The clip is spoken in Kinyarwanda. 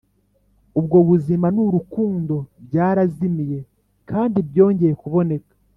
ubwo buzima nurukundo byarazimiye - kandi byongeye kuboneka!